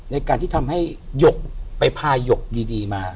ในการที่ทำให้หยกไปพาหยกดีมา